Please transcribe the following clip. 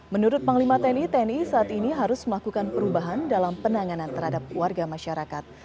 menurut panglima tni tni saat ini harus melakukan perubahan dalam penanganan terhadap warga masyarakat